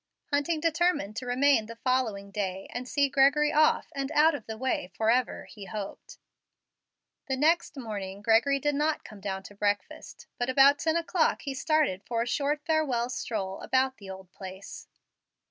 Hunting determined to remain the following day and see Gregory off and out of the way forever, he hoped. The next morning Gregory did not come down to breakfast. But at about ten o'clock he started for a short farewell stroll about the old place.